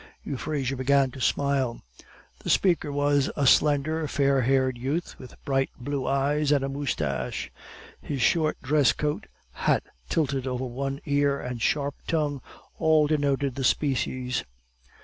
Euphrasia began to smile. The speaker was a slender, fair haired youth, with bright blue eyes, and a moustache. His short dress coat, hat tilted over one ear, and sharp tongue, all denoted the species.